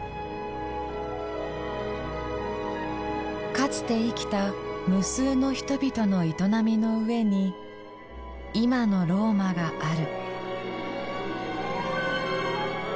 かつて生きた無数の人々の営みの上に今のローマがある。